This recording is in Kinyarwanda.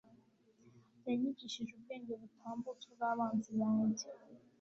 yanyigishije ubwenge butambutse ubw'abanzi banjye